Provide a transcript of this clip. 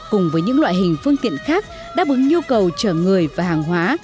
cùng với những loại hình phương tiện khác đáp ứng nhu cầu chở người và hàng hóa